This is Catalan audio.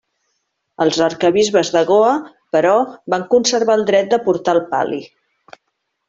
Els arquebisbes de Goa, però, van conservar el dret de portar el pal·li.